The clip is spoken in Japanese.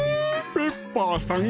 ペッパーさん